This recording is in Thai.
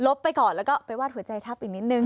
ไปก่อนแล้วก็ไปวาดหัวใจทัพอีกนิดนึง